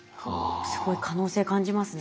すごい可能性感じますね。